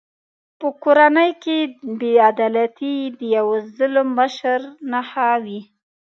په کورنۍ کې بې عدالتي د یوه ظالم مشر نښه وي.